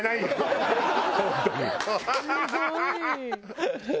すごい！